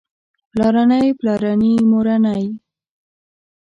پلارنی پلارني مورنۍ